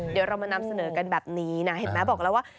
เดี๋ยวเรามานำเสนอกันแบบนี้นะเห็นไหมบอกแล้วว่า